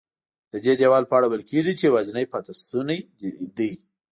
ددې دیوال په اړه ویل کېږي چې یوازینی پاتې شونی دی.